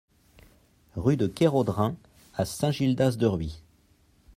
Rue de Kéraudren à Saint-Gildas-de-Rhuys